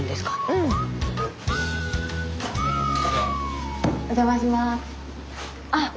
うん。あっ。